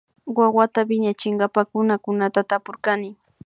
Wawata wiñachinkapa kunakunata tapurkani